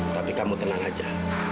tapi kamu tenang aja